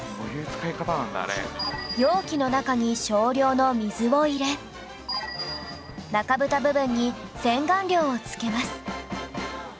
容器の中に少量の水を入れ中ブタ部分に洗顔料をつけます